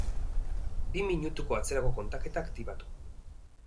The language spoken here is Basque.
Bi minutuko atzerako kontaketa aktibatu.